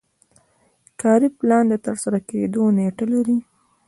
کاري پلان د ترسره کیدو نیټه لري.